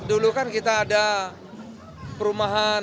dulu kan kita ada perumahan